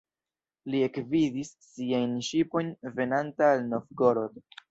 Li ekvidis siajn ŝipojn venanta al Novgorod.